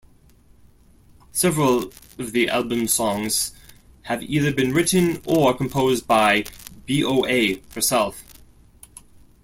Several of the album's songs have either been written or composed by BoA herself.